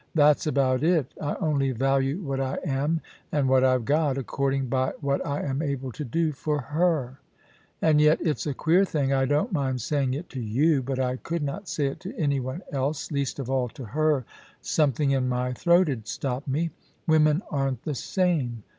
That's about it I only value what I am and what I've got, according by what I am able to do for her. And yet — it's a queer thing — I don't mind saying it to you^ but I could not say it to anyone else — least of all to her — something in my throat 'ud stop me. Women aren't the same.